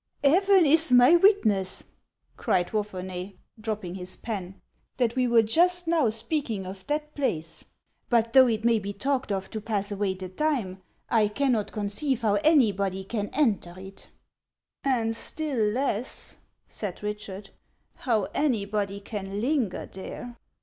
" Heaven is my witness," cried Wapherney, dropping 186 HANS OF ICELAND. his pen, " that we were just now speaking of that place ! But though it may be talked of to pass away the time, I cannot conceive how anybody can enter it." " And still less," said liiehard, " how anybody can linger there.